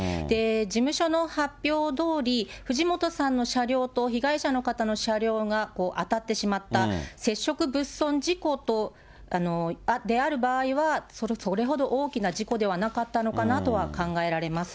事務所の発表どおり、藤本さんの車両と被害者の方の車両が当たってしまった接触物損事故である場合は、それほど大きな事故ではなかったのかなとは考えられます。